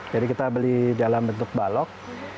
jadi kita beli dalam bentuk balok